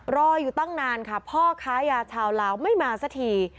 รออยู่ตั้งนานค่ะพ่อค้ายาชาวลาวไม่มาสักที